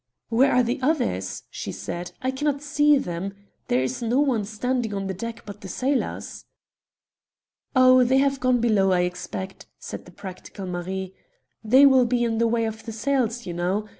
"Where are the others?" she said. "I cannot see them. There is no one standing on the deck but the sailors." "Oh, they have gone below, I expect," said the practical Marie. "They will be in the way of the sails, you know.